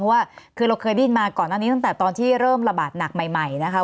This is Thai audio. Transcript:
เพราะว่าคือเราเคยได้ยินมาก่อนหน้านี้ตั้งแต่ตอนที่เริ่มระบาดหนักใหม่นะคะ